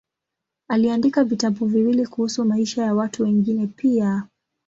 Aliandika vitabu viwili kuhusu maisha ya watu wengine pia.